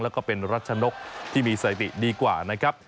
แล้วก็เป็นรัชนกที่มีสถิติดีกว่านะครับ